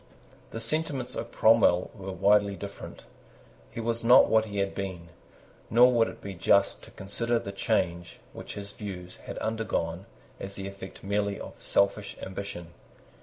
The sentiments of Cromwell were widely different. He was not what he had been; nor would it be just to consider the change which his views had undergone as the effect merely of selfish ambition.